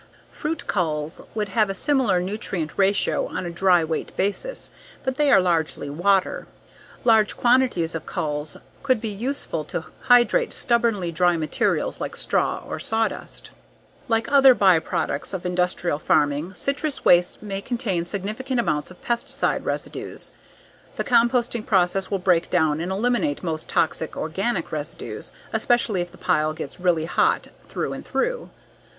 Fruit culls would have a similar nutrient ratio on a dry weight basis, but they are largely water. Large quantities of culls could be useful to hydrate stubbornly dry materials like straw or sawdust. Like other byproducts of industrial farming, citrus wastes may contain significant amounts of pesticide residues. The composting process will break down and eliminate most toxic organic residues, especially if the pile gets really hot through and through.